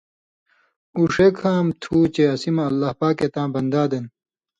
اُو ݜے کام تُھو چے اسی مہ اللہ پاکے تاں بنداں دَن